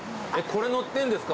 これ乗ってます。